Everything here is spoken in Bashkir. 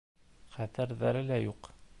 Хәтерҙәре лә юҡ.